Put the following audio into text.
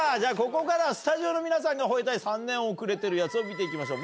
ここからはスタジオの皆さんが吠えたい３年遅れてるヤツを見て行きましょう。